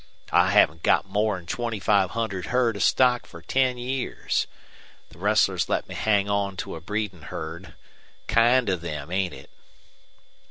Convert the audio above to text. I haven't had more'n twenty five hundred herd of stock for ten years. The rustlers let me hang on to a breedin' herd. Kind of them, ain't it?"